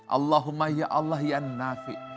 allahumma ya allah ya nafi